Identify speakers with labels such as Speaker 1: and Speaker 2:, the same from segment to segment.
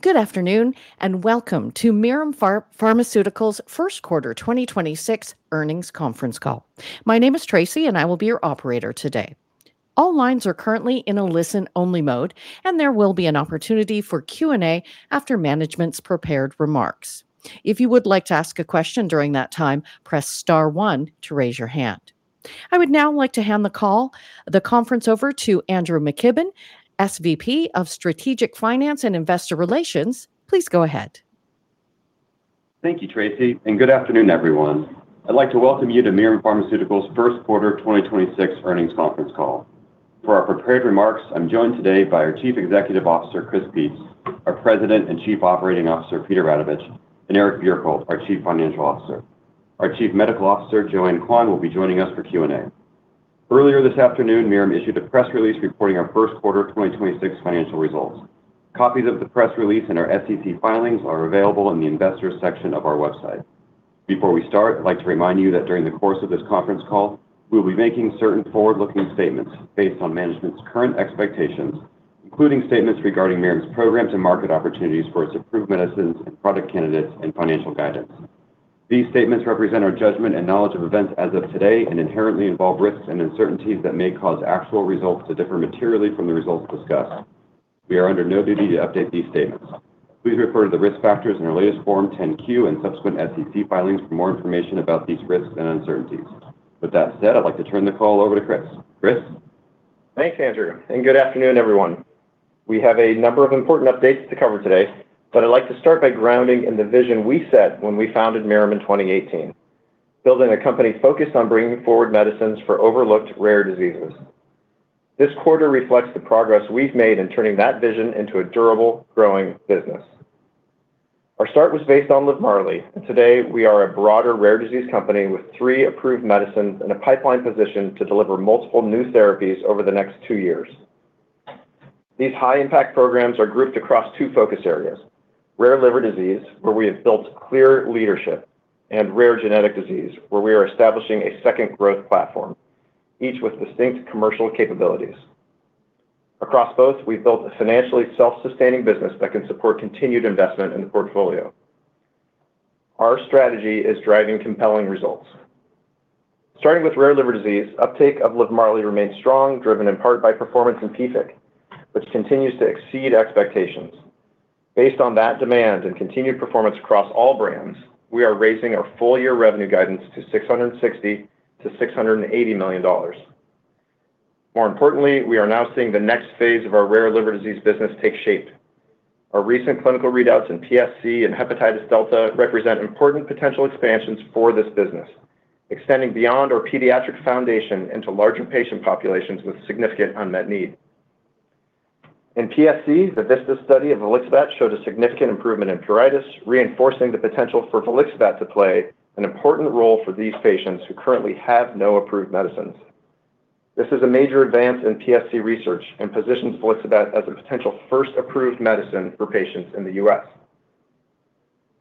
Speaker 1: Good afternoon, and welcome to Mirum Pharmaceuticals' First Quarter 2026 Earnings Conference Call. My name is Tracy, and I will be your operator today. All lines are currently in a listen-only mode, and there will be an opportunity for Q&A after management's prepared remarks. If you would like to ask a question during that time, press star one to raise your hand. I would now like to hand the conference over to Andrew McKibben, SVP of Strategic Finance and Investor Relations. Please go ahead.
Speaker 2: Thank you, Tracy, and good afternoon, everyone. I'd like to welcome you to Mirum Pharmaceuticals' first quarter 2026 earnings conference call. For our prepared remarks, I'm joined today by our Chief Executive Officer, Chris Peetz, our President and Chief Operating Officer, Peter Radovich, and Eric Bjerkholt, our Chief Financial Officer. Our Chief Medical Officer, Joanne Quan, will be joining us for Q&A. Earlier this afternoon, Mirum issued a press release reporting our first quarter 2026 financial results. Copies of the press release and our SEC filings are available in the Investors section of our website. Before we start, I'd like to remind you that during the course of this conference call, we'll be making certain forward-looking statements based on management's current expectations, including statements regarding Mirum's programs and market opportunities for its approved medicines and product candidates and financial guidance. These statements represent our judgment and knowledge of events as of today and inherently involve risks and uncertainties that may cause actual results to differ materially from the results discussed. We are under no duty to update these statements. Please refer to the risk factors in our latest Form 10-Q and subsequent SEC filings for more information about these risks and uncertainties. With that said, I'd like to turn the call over to Chris. Chris?
Speaker 3: Thanks, Andrew. Good afternoon, everyone. We have a number of important updates to cover today. I'd like to start by grounding in the vision we set when we founded Mirum in 2018, building a company focused on bringing forward medicines for overlooked rare diseases. This quarter reflects the progress we've made in turning that vision into a durable, growing business. Our start was based on LIVMARLI. Today we are a broader rare disease company with three approved medicines and a pipeline positioned to deliver multiple new therapies over the next twoyears. These high-impact programs are grouped across two focus areas: rare liver disease, where we have built clear leadership, and rare genetic disease, where we are establishing a second growth platform, each with distinct commercial capabilities. Across both, we've built a financially self-sustaining business that can support continued investment in the portfolio. Our strategy is driving compelling results. Starting with rare liver disease, uptake of LIVMARLI remains strong, driven in part by performance in PFIC, which continues to exceed expectations. Based on that demand and continued performance across all brands, we are raising our full-year revenue guidance to $660 million-$680 million. More importantly, we are now seeing the next phase of our rare liver disease business take shape. Our recent clinical readouts in PSC and hepatitis delta represent important potential expansions for this business, extending beyond our pediatric foundation into larger patient populations with significant unmet need. In PSC, the VISTAS study of volixibat showed a significant improvement in pruritus, reinforcing the potential for volixibat to play an important role for these patients who currently have no approved medicines. This is a major advance in PSC research and positions volixibat as a potential first approved medicine for patients in the U.S.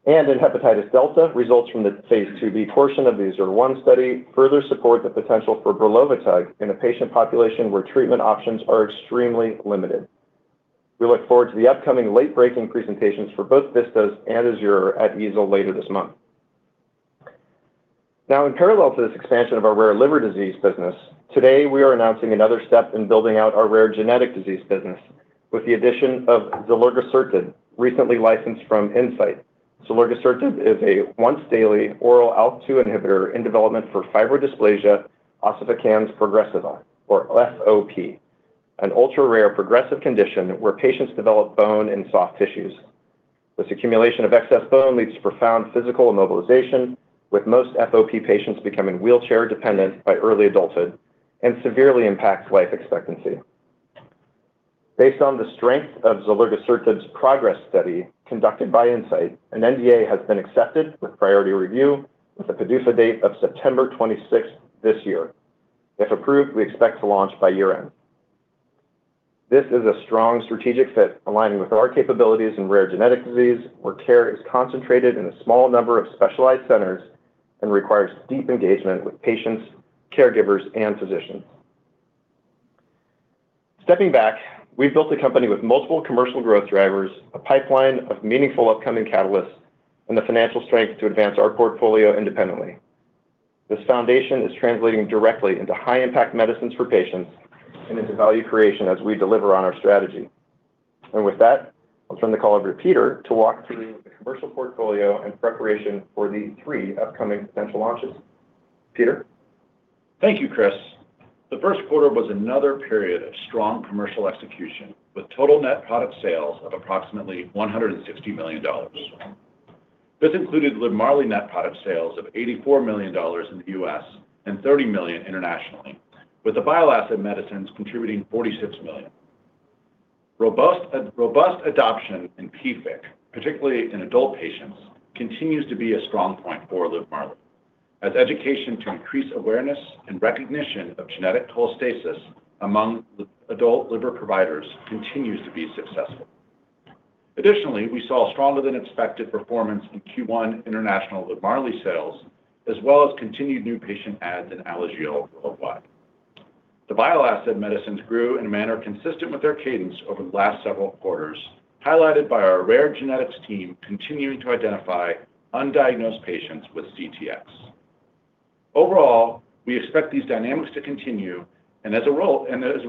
Speaker 3: In hepatitis delta, results from the phase IIb portion of the AZURE-1 study further support the potential for brelovitug in a patient population where treatment options are extremely limited. We look forward to the upcoming late-breaking presentations for both VISTAS and AZURE at EASL later this month. In parallel to this expansion of our rare liver disease business, today we are announcing another step in building out our rare genetic disease business with the addition of zilurgisertib, recently licensed from Incyte. Zilurgisertib is a once-daily oral ALK2 inhibitor in development for fibrodysplasia ossificans progressiva, or FOP, an ultra-rare progressive condition where patients develop bone in soft tissues. This accumulation of excess bone leads to profound physical immobilization, with most FOP patients becoming wheelchair dependent by early adulthood and severely impacts life expectancy. Based on the strength of zilurgisertib's PROGRESS study conducted by Incyte, an NDA has been accepted with priority review with a PDUFA date of September 26th this year. If approved, we expect to launch by year-end. This is a strong strategic fit aligning with our capabilities in rare genetic disease, where care is concentrated in a small number of specialized centers and requires deep engagement with patients, caregivers, and physicians. Stepping back, we've built a company with multiple commercial growth drivers, a pipeline of meaningful upcoming catalysts, and the financial strength to advance our portfolio independently. This foundation is translating directly into high-impact medicines for patients and into value creation as we deliver on our strategy. With that, I'll turn the call over to Peter to walk through the commercial portfolio in preparation for these three upcoming potential launches. Peter?
Speaker 4: Thank you, Chris. The first quarter was another period of strong commercial execution, with total net product sales of approximately $160 million. This included LIVMARLI net product sales of $84 million in the U.S. and $30 million internationally, with the bile acid medicines contributing $46 million. Robust adoption in PFIC, particularly in adult patients, continues to be a strong point for LIVMARLI, as education to increase awareness and recognition of genetic cholestasis among adult liver providers continues to be successful. Additionally, we saw stronger than expected performance in Q1 international LIVMARLI sales, as well as continued new patient adds in Alagille worldwide. The bile acid medicines grew in a manner consistent with their cadence over the last several quarters, highlighted by our rare genetics team continuing to identify undiagnosed patients with CTX. Overall, we expect these dynamics to continue and as a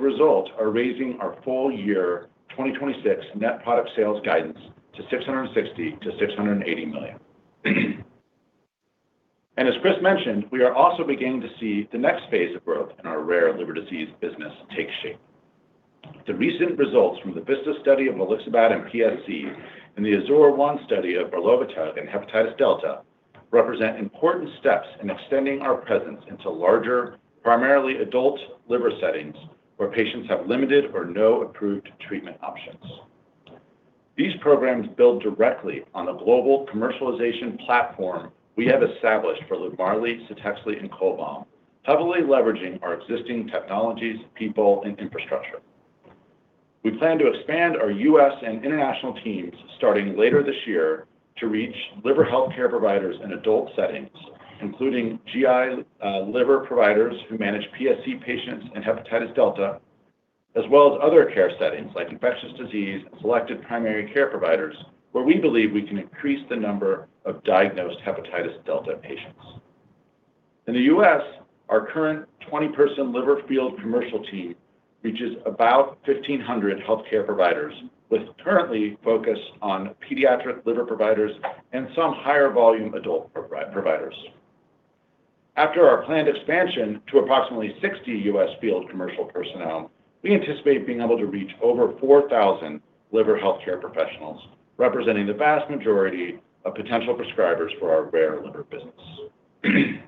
Speaker 4: result, are raising our full year 2026 net product sales guidance to $660 million-$680 million. As Chris mentioned, we are also beginning to see the next phase of growth in our rare liver disease business take shape. The recent results from the VISTAS study of volixibat and PSC and the AZURE-1 study of brelovitug and hepatitis delta represent important steps in extending our presence into larger, primarily adult liver settings where patients have limited or no approved treatment options. These programs build directly on the global commercialization platform we have established for LIVMARLI, CTEXLI, and CHOLBAM, heavily leveraging our existing technologies, people, and infrastructure. We plan to expand our U.S. and international teams starting later this year to reach liver healthcare providers in adult settings, including GIs, liver providers who manage PSC patients and hepatitis delta, as well as other care settings like infectious disease and selected primary care providers where we believe we can increase the number of diagnosed hepatitis delta patients. In the U.S., our current 20-person liver field commercial team reaches about 1,500 healthcare providers with currently focus on pediatric liver providers and some higher volume adult pro-providers. After our planned expansion to approximately 60 U.S. field commercial personnel, we anticipate being able to reach over 4,000 liver healthcare professionals, representing the vast majority of potential prescribers for our rare liver business.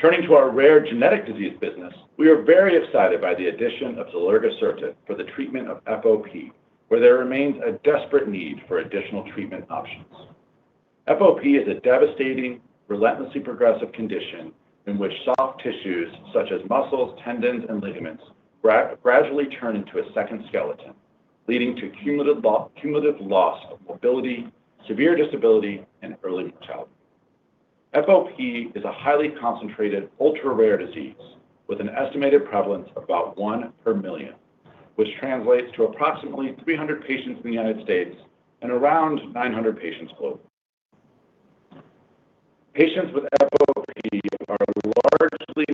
Speaker 4: Turning to our rare genetic disease business, we are very excited by the addition of zilurgisertib for the treatment of FOP, where there remains a desperate need for additional treatment options. FOP is a devastating, relentlessly progressive condition in which soft tissues such as muscles, tendons, and ligaments gradually turn into a second skeleton, leading to cumulative loss of mobility, severe disability, and early mortality. FOP is a highly concentrated ultra-rare disease with an estimated prevalence of about one per million, which translates to approximately 300 patients in the U.S. and around 900 patients globally. Patients with FOP are largely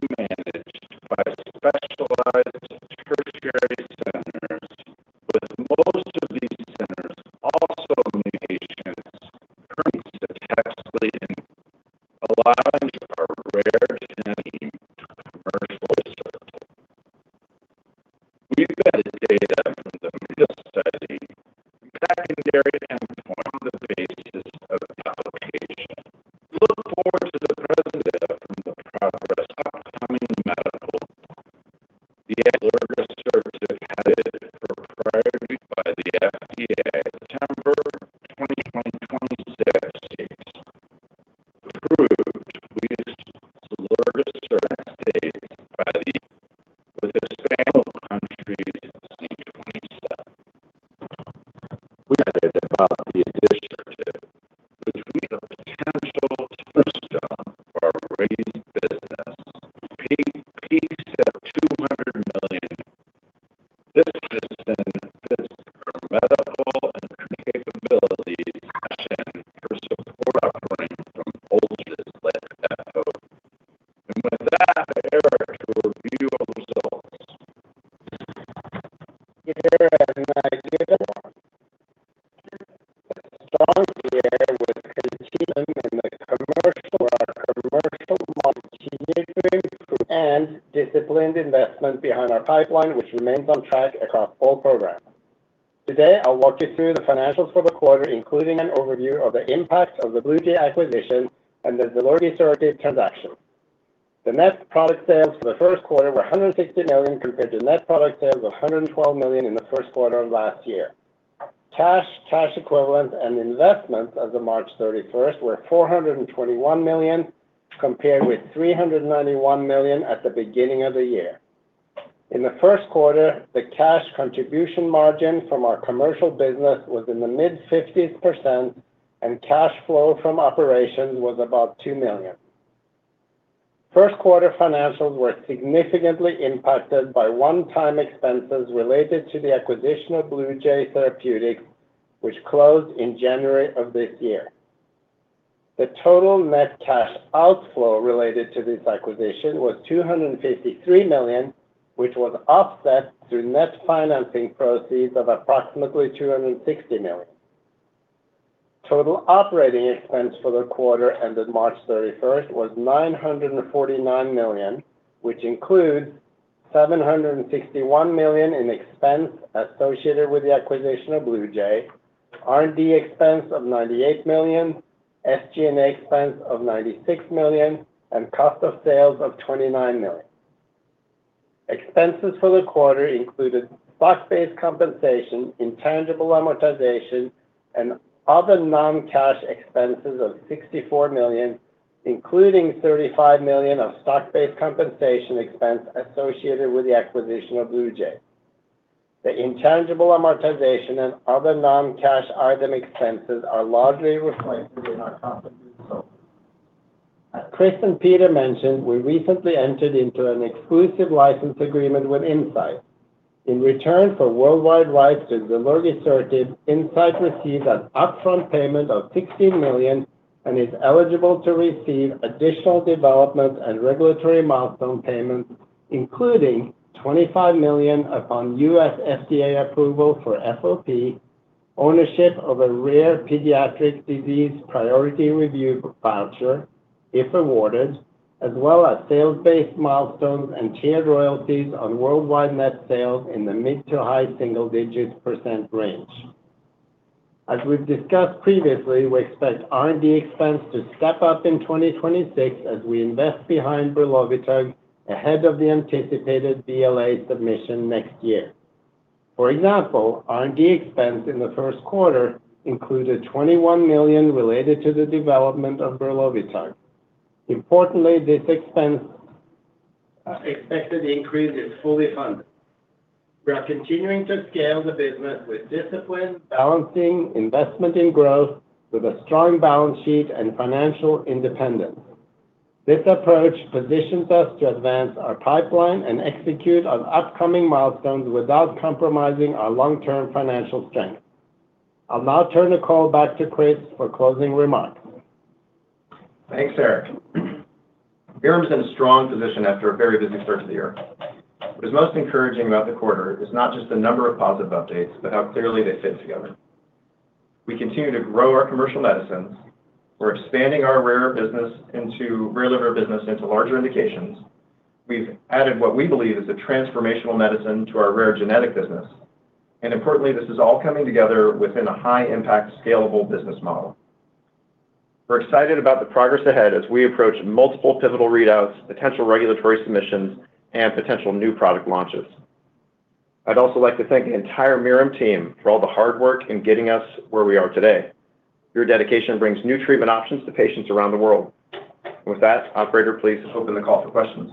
Speaker 5: you through the financials for the quarter, including an overview of the impact of the Bluejay acquisition and the zilurgisertib transaction. The net product sales for the first quarter were $160 million compared to net product sales of $112 million in the first quarter of last year. Cash, cash equivalents, and investments as of March 31st were $421 million, compared with $391 million at the beginning of the year. In the first quarter, the cash contribution margin from our commercial business was in the mid-50s%, and cash flow from operations was about $2 million. First quarter financials were significantly impacted by one-time expenses related to the acquisition of Bluejay Therapeutics, which closed in January of this year. The total net cash outflow related to this acquisition was $253 million, which was offset through net financing proceeds of approximately $260 million. Total operating expense for the quarter ended March 31st was $949 million, which includes $761 million in expense associated with the acquisition of Bluejay, R&D expense of $98 million, SG&A expense of $96 million, and cost of sales of $29 million. Expenses for the quarter included stock-based compensation, intangible amortization, and other non-cash expenses of $64 million, including $35 million of stock-based compensation expense associated with the acquisition of Bluejay. The intangible amortization and other non-cash item expenses are largely reflected in our. Chris and Peter mentioned we recently entered into an exclusive license agreement with Incyte. In return for worldwide rights to the zilurgisertib, Incyte received an upfront payment of $60 million and is eligible to receive additional development and regulatory milestone payments, including $25 million upon U.S. FDA approval for FOP, ownership of a rare pediatric disease priority review voucher, if awarded, as well as sales-based milestones and tiered royalties on worldwide net sales in the mid to high single-digit percent range. As we've discussed previously, we expect R&D expense to step up in 2026 as we invest behind brelovitug ahead of the anticipated BLA submission next year. For example, R&D expense in the first quarter included $21 million related to the development of brelovitug. Importantly, this expense expected increase is fully funded. We are continuing to scale the business with discipline, balancing investment in growth with a strong balance sheet and financial independence. This approach positions us to advance our pipeline and execute on upcoming milestones without compromising our long-term financial strength. I'll now turn the call back to Chris for closing remarks.
Speaker 3: Thanks, Eric. Mirum's in a strong position after a very busy first of the year. What is most encouraging about the quarter is not just the number of positive updates, but how clearly they fit together. We continue to grow our commercial medicines. We're expanding our rare liver business into larger indications. We've added what we believe is a transformational medicine to our rare genetic business. Importantly, this is all coming together within a high-impact scalable business model. We're excited about the progress ahead as we approach multiple pivotal readouts, potential regulatory submissions, and potential new product launches. I'd also like to thank the entire Mirum team for all the hard work in getting us where we are today. Your dedication brings new treatment options to patients around the world. With that, operator, please open the call for questions.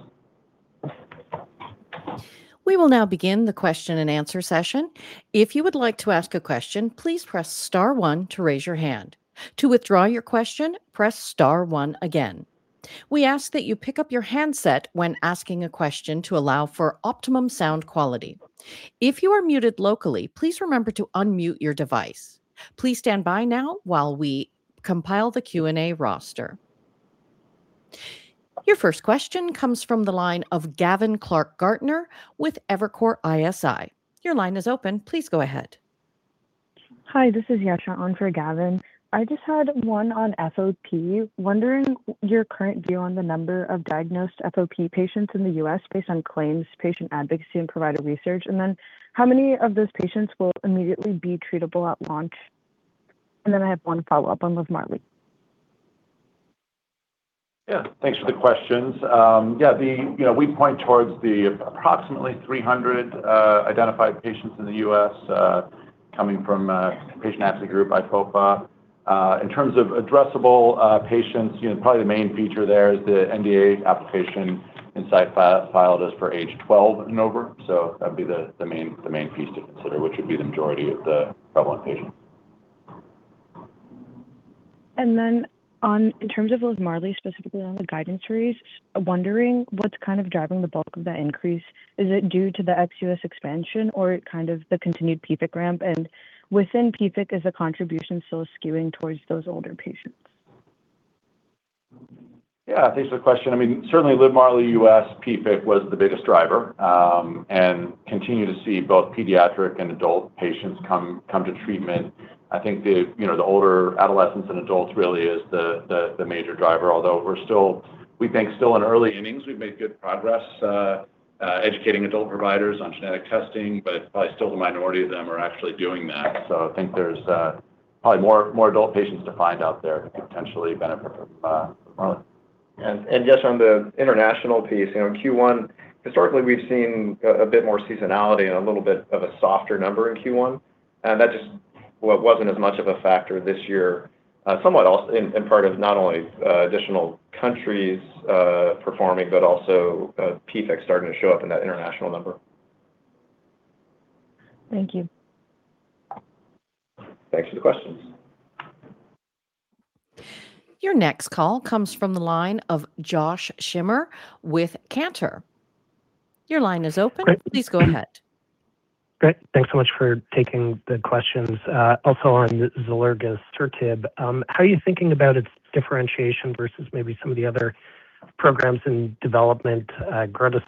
Speaker 1: We will now begin the question-and-answer session. If you would like to ask a question, please press star one to raise your hand. To withdraw your question, press star one again. We ask that you pick up your handset when asking a question to allow for optimum sound quality. If you are muted locally, please remember to unmute your device. Please stand by now while we compile the Q&A roster. Your first question comes from the line of Gavin Clark-Gartner with Evercore ISI. Your line is open. Please go ahead.
Speaker 6: Hi, this is Yesha Patel on for Gavin. I just had one on FOP. Wondering your current view on the number of diagnosed FOP patients in the U.S. based on claims, patient advocacy, and provider research. How many of those patients will immediately be treatable at launch? I have one follow-up on LIVMARLI.
Speaker 3: Yeah, thanks for the questions. You know, we point towards the approximately 300 identified patients in the U.S., coming from a patient advocacy group, IFOPA. In terms of addressable patients, you know, probably the main feature there is the NDA application Incyte filed is for age 12 and over. That'd be the main piece to consider, which would be the majority of the relevant patients.
Speaker 6: In terms of LIVMARLI, specifically on the guidance raise, wondering what's kind of driving the bulk of that increase. Is it due to the ex-U.S. expansion or kind of the continued PFIC ramp? Within PFIC, is the contribution still skewing towards those older patients?
Speaker 3: Yeah. Thanks for the question. I mean, certainly LIVMARLI U.S. PFIC was the biggest driver, and continue to see both pediatric and adult patients come to treatment. I think the, you know, the older adolescents and adults really is the major driver, although we're still, we think, still in early innings. We've made good progress educating adult providers on genetic testing, but probably still the minority of them are actually doing that. I think there's probably more adult patients to find out there could potentially benefit from LIVMARLI. Just on the international piece, you know, in Q1, historically, we've seen a bit more seasonality and a little bit of a softer number in Q1, and that just wasn't as much of a factor this year. Somewhat also in part of not only additional countries performing, but also PFIC starting to show up in that international number.
Speaker 6: Thank you.
Speaker 3: Thanks for the questions.
Speaker 1: Your next call comes from the line of Josh Schimmer with Cantor. Your line is open.
Speaker 7: Great.
Speaker 1: Please go ahead.
Speaker 7: Great. Thanks so much for taking the questions. Also on the zilurgisertib, how are you thinking about its differentiation versus maybe some of the other programs in development, garetosmab,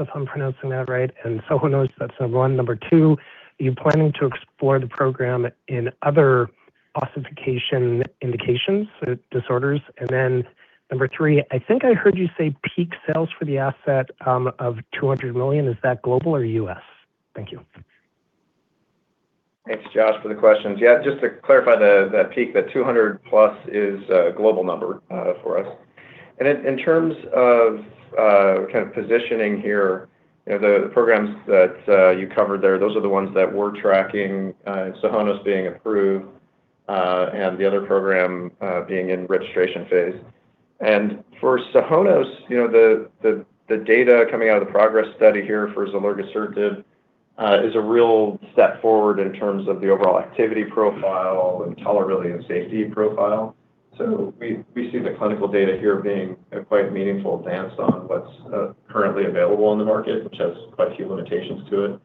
Speaker 7: if I'm pronouncing that right? SOHONOS, that's number one. Number two, are you planning to explore the program in other ossification indications, disorders? Number three, I think I heard you say peak sales for the asset of $200 million. Is that global or U.S.? Thank you.
Speaker 3: Thanks, Josh, for the questions. Yeah, just to clarify the, that peak 200+ is a global number for us. In, in terms of, kind of positioning here, you know, the programs that you covered there, those are the ones that we're tracking. SOHONOS being approved. The other program being in registration phase. For SOHONOS, you know, the data coming out of the PROGRESS study here for zilurgisertib is a real step forward in terms of the overall activity profile and tolerability and safety profile. We see the clinical data here being a quite meaningful advance on what's currently available in the market, which has quite a few limitations to it.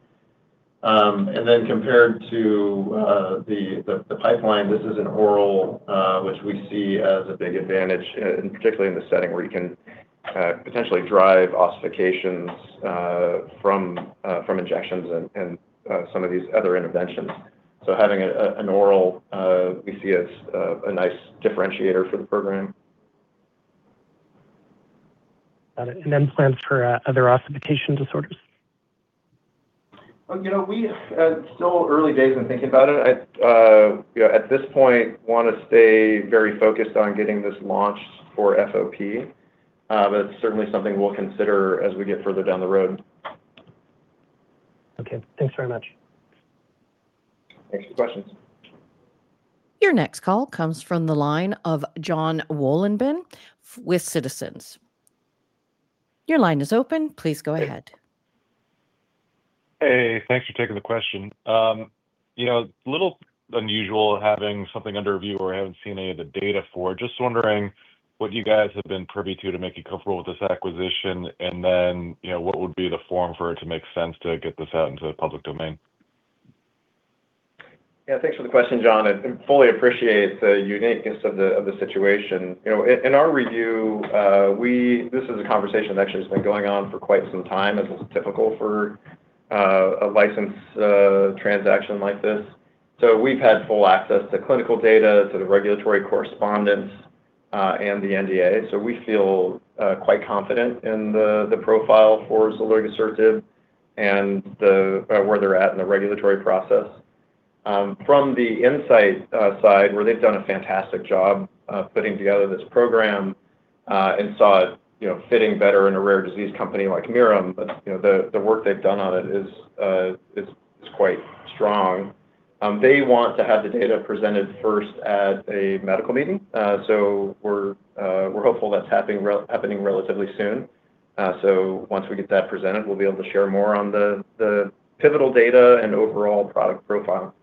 Speaker 3: Compared to the pipeline, this is an oral, which we see as a big advantage, and particularly in the setting where you can potentially drive ossifications from injections and some of these other interventions. Having an oral we see as a nice differentiator for the program.
Speaker 7: Got it. Plans for other ossification disorders?
Speaker 3: You know, It's still early days in thinking about it. I, you know, at this point wanna stay very focused on getting this launched for FOP. It's certainly something we'll consider as we get further down the road.
Speaker 7: Okay. Thanks very much.
Speaker 3: Thanks for the questions.
Speaker 1: Your next call comes from the line of Jon Wolleben with Citizens. Your line is open. Please go ahead.
Speaker 8: Hey. Hey, thanks for taking the question. You know, little unusual having something under review where I haven't seen any of the data for, just wondering what you guys have been privy to to make you comfortable with this acquisition, and then, you know, what would be the form for it to make sense to get this out into the public domain?
Speaker 3: Yeah, thanks for the question, Jon, and fully appreciate the uniqueness of the situation. You know, in our review, This is a conversation that actually has been going on for quite some time, as is typical for a license transaction like this. We've had full access to clinical data, to the regulatory correspondence, and the NDA. We feel quite confident in the profile for zilurgisertib and where they're at in the regulatory process. From the Incyte side, where they've done a fantastic job putting together this program, and saw it, you know, fitting better in a rare disease company like Mirum. You know, the work they've done on it is quite strong. They want to have the data presented first at a medical meeting. We're hopeful that's happening relatively soon. Once we get that presented, we'll be able to share more on the pivotal data and overall product profile.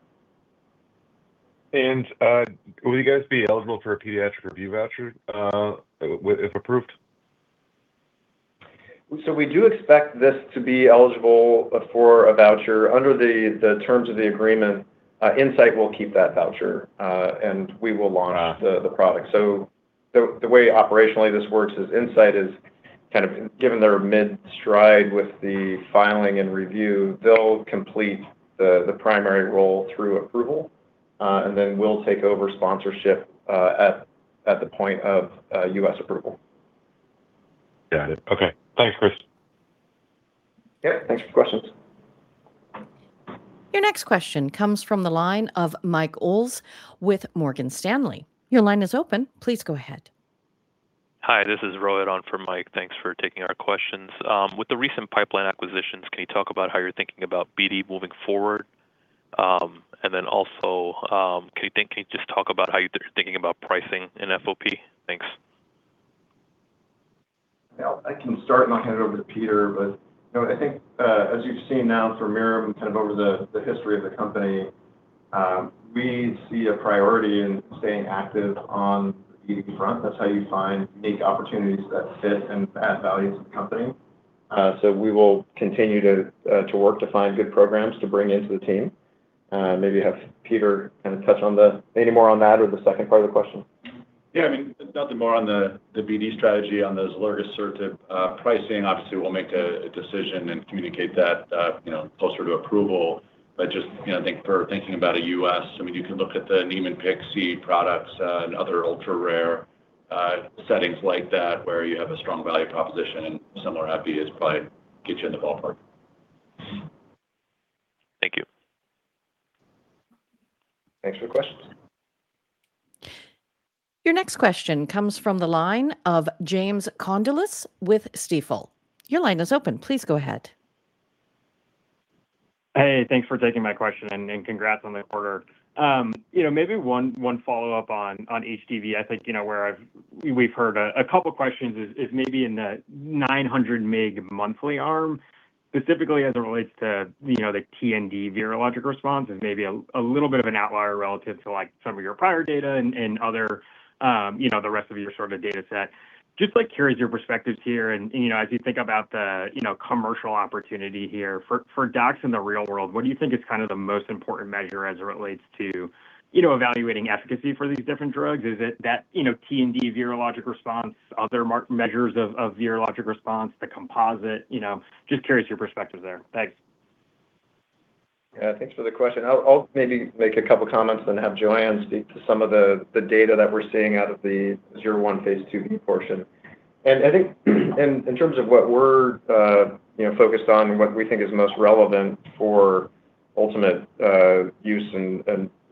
Speaker 8: Will you guys be eligible for a pediatric review voucher if approved?
Speaker 3: We do expect this to be eligible for a voucher. Under the terms of the agreement, Incyte will keep that voucher, and we will launch. the product. The way operationally this works is Incyte is kind of, given they're mid-stride with the filing and review, they'll complete the primary role through approval, then we'll take over sponsorship at the point of U.S. approval.
Speaker 8: Got it. Okay. Thanks, Chris.
Speaker 3: Yeah. Thanks for the questions.
Speaker 1: Your next question comes from the line of Mike Ulz with Morgan Stanley. Your line is open. Please go ahead.
Speaker 9: Hi, this is Rohit on for Mike. Thanks for taking our questions. With the recent pipeline acquisitions, can you talk about how you're thinking about BD moving forward? Also, can you just talk about how you're thinking about pricing in FOP? Thanks.
Speaker 3: Yeah. I can start and I'll hand it over to Peter. You know, I think, as you've seen now from Mirum, kind of over the history of the company, we see a priority in staying active on the BD front. That's how you find unique opportunities that fit and add value to the company. We will continue to work to find good programs to bring into the team. Maybe have Peter kinda touch on any more on that or the second part of the question.
Speaker 4: Yeah, I mean, nothing more on the BD strategy on the zilurgisertib. Pricing, obviously we'll make a decision and communicate that, you know, closer to approval. Just, you know, thinking about a U.S., I mean, you can look at the Niemann-Pick C products and other ultra-rare settings like that where you have a strong value proposition and similar ASP is probably get you in the ballpark.
Speaker 9: Thank you.
Speaker 3: Thanks for the question.
Speaker 1: Your next question comes from the line of James Condulis with Stifel. Your line is open. Please go ahead.
Speaker 10: Hey, thanks for taking my question, and congrats on the order. You know, maybe one follow-up on HDV. I think, you know, where I've we've heard a couple questions is maybe in the 900 mg monthly arm, specifically as it relates to, you know, the TND virologic response is maybe a little bit of an outlier relative to, like, some of your prior data and other, you know, the rest of your sort of dataset. Just, like, curious your perspectives here and, you know, as you think about the commercial opportunity here. For docs in the real world, what do you think is kind of the most important measure as it relates to, you know, evaluating efficacy for these different drugs? Is it that, you know, TND virologic response, other measures of virologic response, the composite? You know, just curious your perspective there. Thanks.
Speaker 3: Yeah. Thanks for the question. I'll maybe make a couple comments then have Joanne speak to some of the data that we're seeing out of the AZURE-1 phase IIb portion. I think in terms of what we're, you know, focused on and what we think is most relevant for ultimate use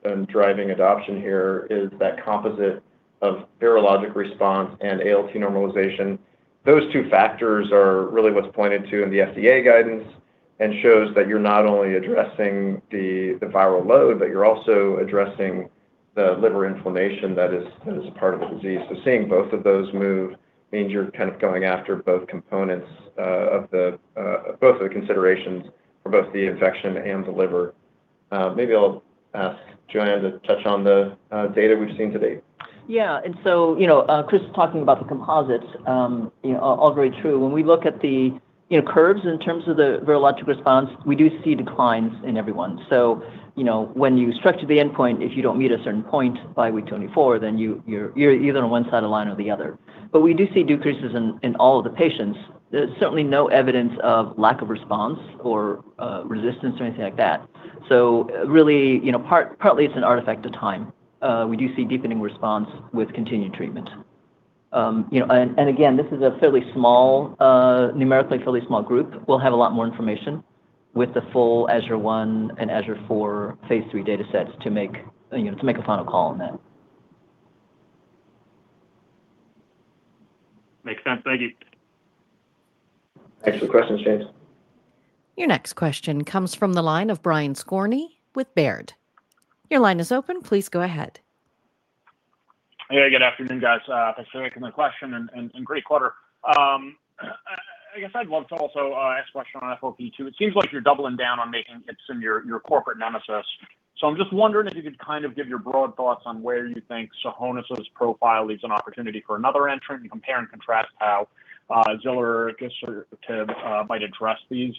Speaker 3: and driving adoption here is that composite of virologic response and ALT normalization. Those two factors are really what's pointed to in the FDA guidance and shows that you're not only addressing the viral load, but you're also addressing the liver inflammation that is part of the disease. Seeing both of those move means you're kind of going after both components of both of the considerations for both the infection and the liver. Maybe I'll ask Joanne to touch on the data we've seen to date.
Speaker 11: Yeah. You know, Chris was talking about the composites, you know, all very true. When we look at the, you know, curves in terms of the virologic response, we do see declines in everyone. You know, when you structure the endpoint, if you don't meet a certain point by week 24, then you're either on one side of the line or the other. We do see decreases in all of the patients. There's certainly no evidence of lack of response or resistance or anything like that. Really, you know, partly it's an artifact of time. We do see deepening response with continued treatment. You know, and again, this is a fairly small, numerically fairly small group. We'll have a lot more information with the full AZURE-1 and AZURE-4 phase III datasets to make, you know, to make a final call on that.
Speaker 10: Makes sense. Thank you.
Speaker 3: Thanks for the question, James.
Speaker 1: Your next question comes from the line of Brian Skorney with Baird. Your line is open. Please go ahead.
Speaker 12: Hey, good afternoon, guys. Thanks for taking my question, and great quarter. I guess I'd love to also ask a question on FOP too. It seems like you're doubling down on making hits in your corporate nemesis. I'm just wondering if you could kind of give your broad thoughts on where you think SOHONOS's profile leaves an opportunity for another entrant and compare and contrast how zilurgisertib might address these.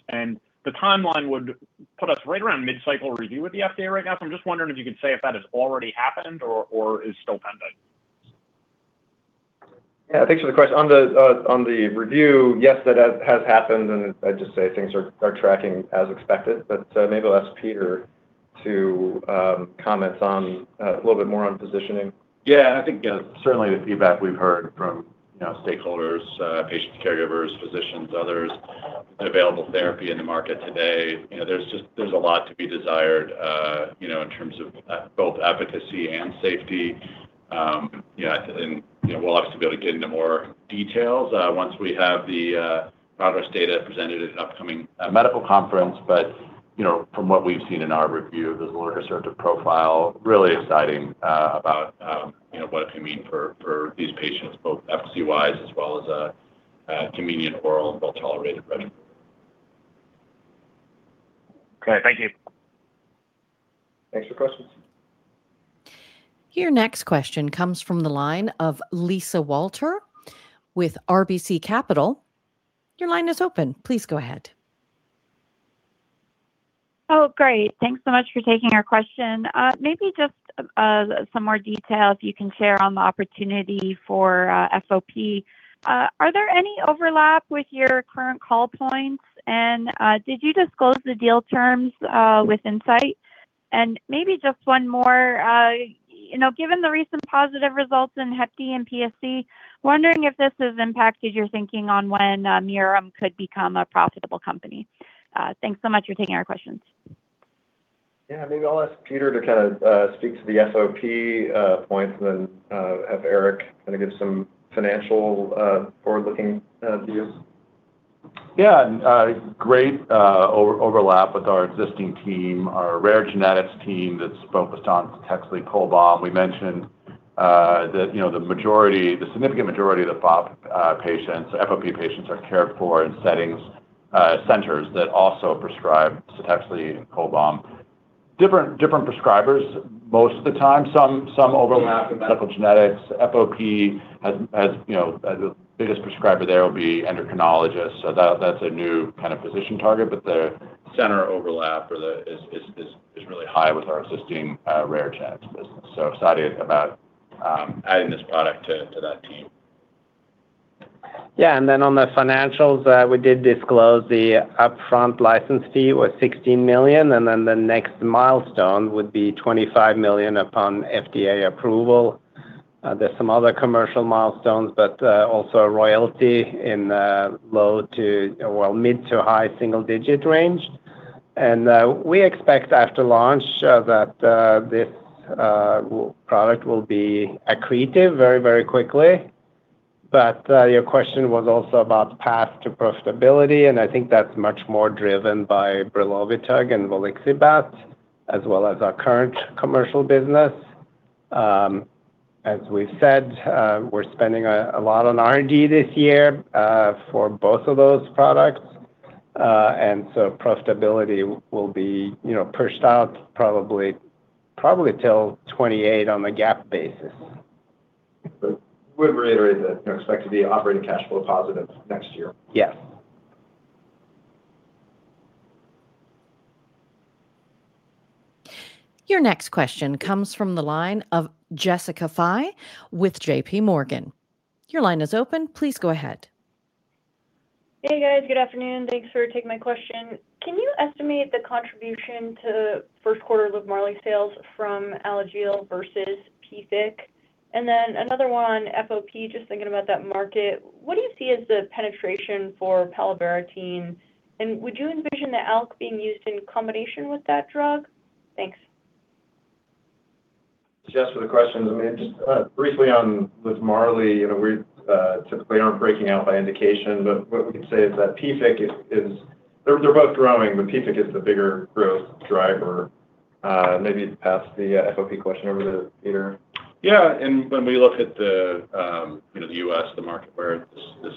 Speaker 12: The timeline would put us right around mid-cycle review with the FDA right now. I'm just wondering if you could say if that has already happened or is still pending.
Speaker 3: Yeah. Thanks for the question. On the review, yes, that has happened, and I'd just say things are tracking as expected. Maybe I'll ask Peter to comment on a little bit more on positioning.
Speaker 4: Yeah. I think, certainly the feedback we've heard from, you know, stakeholders, patients, caregivers, physicians, others, available therapy in the market today, you know, there's a lot to be desired, you know, in terms of both efficacy and safety. Yeah, you know, we'll obviously be able to get into more details once we have the PROGRESS data presented at an upcoming medical conference. You know, from what we've seen in our review, there's a more conservative profile, really exciting about, you know, what it can mean for these patients, both efficacy-wise as well as a convenient oral and well-tolerated regimen.
Speaker 12: Great. Thank you.
Speaker 3: Thanks for the questions.
Speaker 1: Your next question comes from the line of Lisa Walter with RBC Capital. Your line is open. Please go ahead.
Speaker 13: Oh, great. Thanks so much for taking our question. Maybe just some more details you can share on the opportunity for FOP. Are there any overlap with your current call points? Did you disclose the deal terms with Incyte? Maybe just one more. You know, given the recent positive results in HDV and PSC, wondering if this has impacted your thinking on when Mirum could become a profitable company. Thanks so much for taking our questions.
Speaker 3: Yeah. Maybe I'll ask Peter to kinda speak to the FOP points and then have Eric kinda give some financial forward-looking views.
Speaker 4: Yeah. Great over-overlap with our existing team, our rare genetics team that's focused on CTEXLI, CHOLBAM. We mentioned that, you know, the majority, the significant majority of the FOP, patients are cared for in settings, centers that also prescribe CTEXLI and CHOLBAM. Different prescribers most of the time. Some overlap in medical genetics. FOP has, you know, the biggest prescriber there will be endocrinologists. That's a new kind of position target. The center overlap for the is really high with our existing, rare genetics business. Excited about adding this product to that team.
Speaker 5: Yeah. Then on the financials, we did disclose the upfront license fee was $16 million, then the next milestone would be $25 million upon FDA approval. There's some other commercial milestones, also a royalty in a low to mid-to-high single-digit range. We expect after launch that this product will be accretive very, very quickly. Your question was also about path to profitability, and I think that's much more driven by brelovitug and volixibat, as well as our current commercial business. As we've said, we're spending a lot on R&D this year for both of those products. Profitability will be, you know, pushed out probably till 2028 on the GAAP basis.
Speaker 3: Would reiterate that, you know, expect to be operating cash flow positive next year.
Speaker 5: Yes.
Speaker 1: Your next question comes from the line of Jessica Fye with JPMorgan. Your line is open. Please go ahead.
Speaker 14: Hey, guys. Good afternoon. Thanks for taking my question. Can you estimate the contribution to 1st quarter LIVMARLI sales from Alagille syndrome versus PFIC? Another one, FOP, just thinking about that market, what do you see as the penetration for palovarotene? Would you envision the ALK2 being used in combination with that drug? Thanks.
Speaker 3: Thanks for the questions. I mean, just briefly on LIVMARLI, you know, we typically aren't breaking out by indication, but what we can say is that PFIC is They're both growing, but PFIC is the bigger growth driver. Maybe pass the FOP question over to Peter.
Speaker 4: Yeah. When we look at the, you know, the U.S., the market where this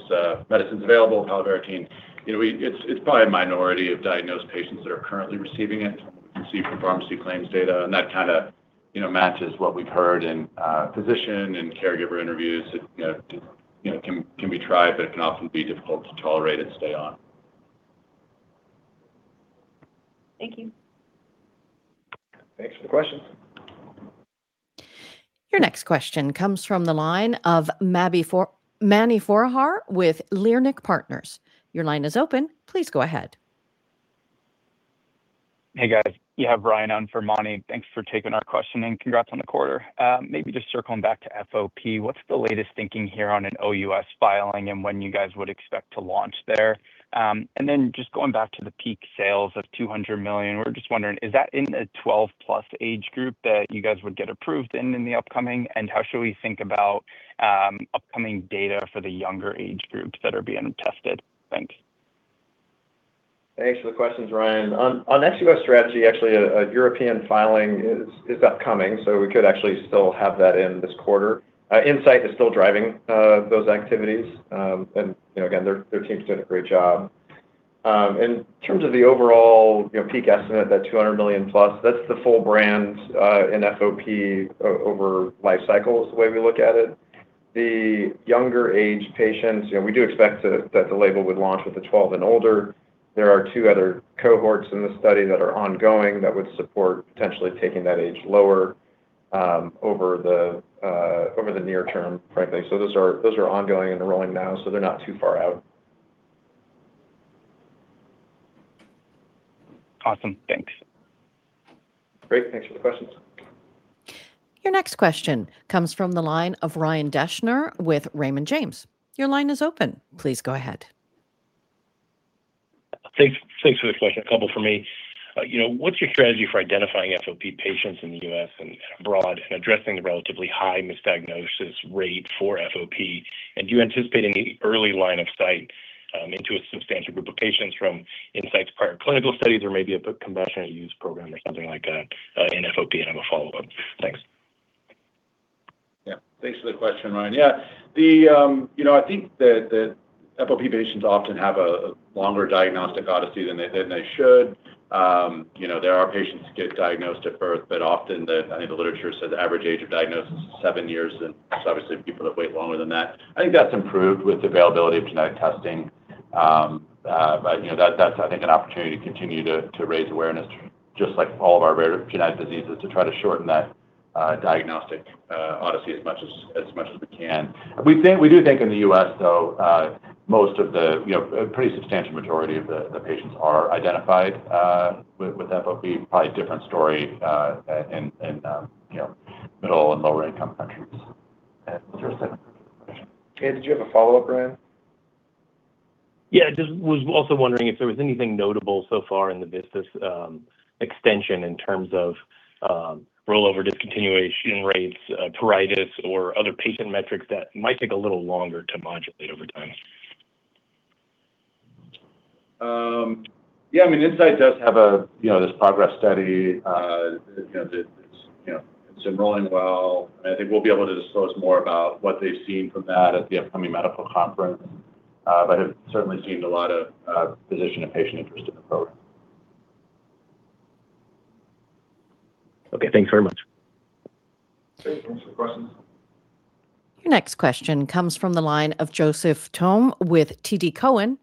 Speaker 4: medicine's available, CHOLBAM, it's probably a minority of diagnosed patients that are currently receiving it. We can see from pharmacy claims data, and that kinda, you know, matches what we've heard in physician and caregiver interviews. It, you know, it can be tried, but it can often be difficult to tolerate and stay on.
Speaker 14: Thank you.
Speaker 3: Thanks for the question.
Speaker 1: Your next question comes from the line of Mani Foroohar with Leerink Partners. Your line is open. Please go ahead.
Speaker 15: Hey, guys. You have Ryan on for Mani. Thanks for taking our question, and congrats on the quarter. Maybe just circling back to FOP, what's the latest thinking here on an OUS filing and when you guys would expect to launch there? Then just going back to the peak sales of $200 million, we're just wondering, is that in the 12-plus age group that you guys would get approved in the upcoming? How should we think about upcoming data for the younger age groups that are being tested? Thanks.
Speaker 3: Thanks for the questions, Ryan. On OUS strategy, actually, a European filing is upcoming, so we could actually still have that in this quarter. Incyte is still driving those activities. You know, again, their team's doing a great job. In terms of the overall, you know, peak estimate, that $200 million-plus, that's the full brand in FOP over life cycles, the way we look at it. The younger age patients, you know, we do expect that the label would launch with the 12 and older. There are two other cohorts in the study that are ongoing that would support potentially taking that age lower over the near term, frankly. Those are ongoing enrolling now, they're not too far out.
Speaker 15: Awesome. Thanks.
Speaker 3: Great. Thanks for the questions.
Speaker 1: Your next question comes from the line of Ryan Deschner with Raymond James. Your line is open. Please go ahead.
Speaker 16: Thanks, thanks for the question. A couple from me. You know, what's your strategy for identifying FOP patients in the U.S. and abroad and addressing the relatively high misdiagnosis rate for FOP? Do you anticipate any early line of sight into a substantial group of patients from Incyte's prior clinical studies or maybe a compassionate use program or something like that in FOP? I have a follow-up. Thanks.
Speaker 3: Yeah. Thanks for the question, Ryan. Yeah. The, you know, I think the FOP patients often have a longer diagnostic odyssey than they should. You know, there are patients who get diagnosed at birth, but often the I think the literature says the average age of diagnosis is seven years, and so obviously people have waited longer than that. I think that's improved with availability of genetic testing. You know, that's, I think, an opportunity to continue to raise awareness, just like all of our rare genetic diseases, to try to shorten that diagnostic odyssey as much as we can. We do think in the U.S., though, most of the, you know, a pretty substantial majority of the patients are identified with FOP. Probably a different story, in, you know, middle and lower income countries. Was there a second question? Hey, did you have a follow-up, Ryan?
Speaker 16: Just was also wondering if there was anything notable so far in the VISTAS extension in terms of rollover discontinuation rates, pruritus or other patient metrics that might take a little longer to modulate over time.
Speaker 3: Yeah, I mean, Incyte does have a, you know, this PROGRESS study. You know, it's, you know, it's enrolling well, and I think we'll be able to disclose more about what they've seen from that at the upcoming medical conference. Have certainly seen a lot of physician and patient interest in the program.
Speaker 16: Okay. Thanks very much.
Speaker 3: Thanks for the questions.
Speaker 1: Your next question comes from the line of Joseph Thome with TD Cowen.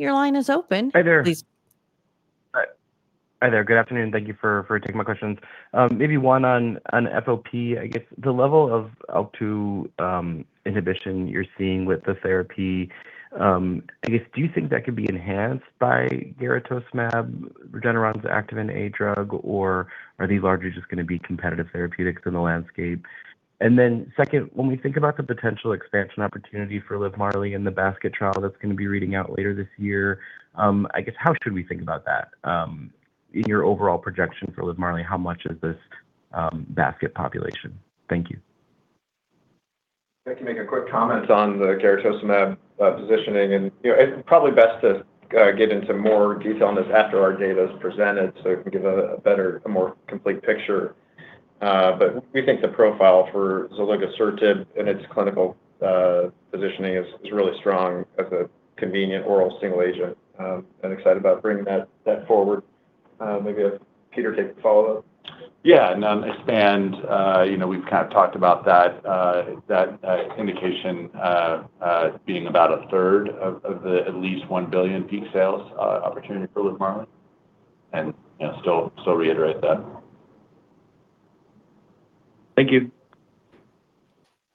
Speaker 1: Your line is open.
Speaker 17: Hi there.
Speaker 1: Please-
Speaker 17: Hi. Hi there. Good afternoon. Thank you for taking my questions. Maybe one on FOP. I guess the level of ALK2 inhibition you're seeing with the therapy, I guess, do you think that could be enhanced by garetosmab, Regeneron's Activin A drug, or are these largely just gonna be competitive therapeutics in the landscape? Second, when we think about the potential expansion opportunity for LIVMARLI in the basket trial that's gonna be reading out later this year, I guess how should we think about that in your overall projection for LIVMARLI? How much is this basket population? Thank you.
Speaker 3: If I can make a quick comment on the garetosmab positioning. You know, it's probably best to get into more detail on this after our data is presented, so we can give a better, a more complete picture. We think the profile for zilurgisertib and its clinical positioning is really strong as a convenient oral single agent, and excited about bringing that forward. Maybe if Peter could take the follow-up.
Speaker 4: Yeah. No, you know, we've kind of talked about that indication, being about a third of the at least $1 billion peak sales, opportunity for LIVMARLI. You know, still reiterate that. Thank you.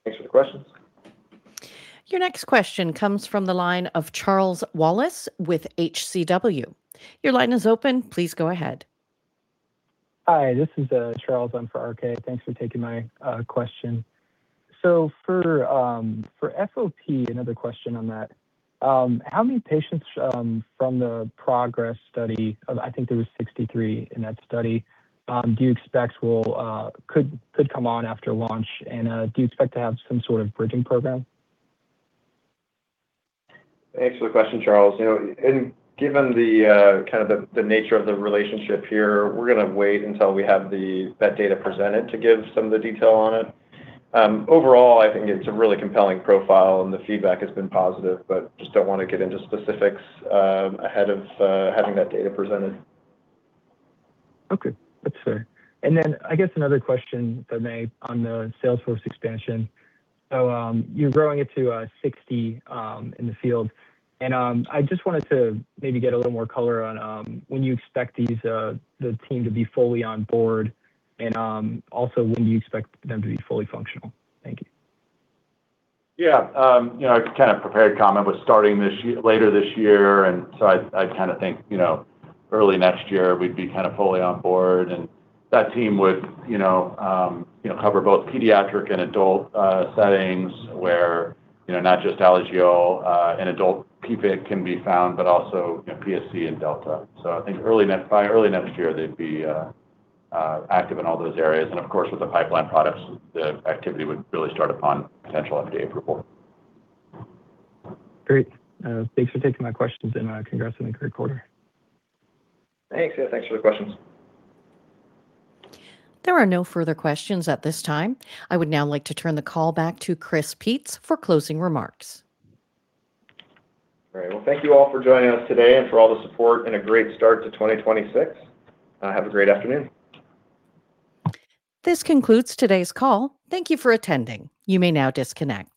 Speaker 3: Thanks for the questions.
Speaker 1: Your next question comes from the line of Charles Wallace with HCW. Your line is open. Please go ahead.
Speaker 18: Hi. This is Charles. I'm on for RK. Thanks for taking my question. For FOP, another question on that. How many patients from the PROGRESS study, I think there was 63 in that study, do you expect will could come on after launch? Do you expect to have some sort of bridging program?
Speaker 3: Thanks for the question, Charles. You know, given the kind of the nature of the relationship here, we're gonna wait until we have that data presented to give some of the detail on it. Overall, I think it's a really compelling profile, and the feedback has been positive. Just don't wanna get into specifics ahead of having that data presented.
Speaker 18: Okay. That's fair. I guess another question on the salesforce expansion. You're growing it to 60 in the field. I just wanted to maybe get a little more color on when you expect these the team to be fully on board and also when do you expect them to be fully functional? Thank you.
Speaker 4: Yeah. you know, I kind of prepared a comment with starting this year, later this year. I kind of think, you know, early next year we'd be kind of fully on board and that team would, you know, cover both pediatric and adult settings where, you know, not just Alagille, and adult PFIC can be found, but also, you know, PSC and Delta. I think by early next year they'd be active in all those areas. Of course, with the pipeline products, the activity would really start upon potential FDA approval.
Speaker 18: Great. Thanks for taking my questions, and congrats on a great quarter.
Speaker 3: Thanks. Yeah, thanks for the questions.
Speaker 1: There are no further questions at this time. I would now like to turn the call back to Chris Peetz for closing remarks.
Speaker 3: All right. Well, thank you all for joining us today and for all the support and a great start to 2026. Have a great afternoon.
Speaker 1: This concludes today's call. Thank you for attending. You may now disconnect.